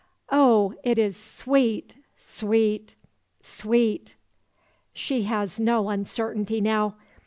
Oh! it is sweet sweet sweet!" She has no uncertainty now.